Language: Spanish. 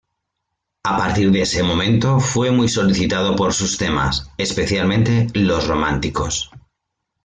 A partir de ese momento fue muy solicitado por sus temas, especialmente los románticos.